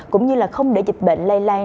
cũng như không để dịch bệnh lây lan